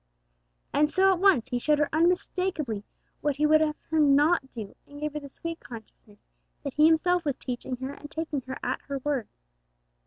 And so, at once, He showed her unmistakeably what He would have her not do, and gave her the sweet consciousness that He Himself was teaching her and taking her at her word.